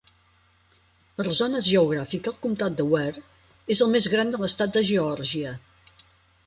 Per zona geogràfica, el Comtat de Ware és el més gran de l'estat de Geòrgia.